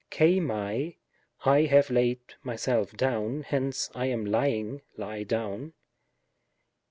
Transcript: Kcl'fmi, "I have laid myself down;" hence, " I am lying (lie) down."